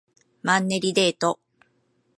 マンネリデート